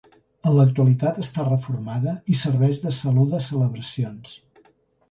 En l'actualitat està reformada i serveix de saló de celebracions.